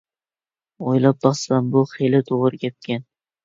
ئويلاپ باقسام بۇ خېلى توغرا گەپكەن.